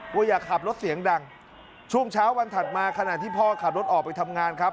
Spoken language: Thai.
ว่าอย่าขับรถเสียงดังช่วงเช้าวันถัดมาขณะที่พ่อขับรถออกไปทำงานครับ